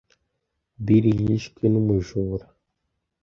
Bill yishwe n’umujura.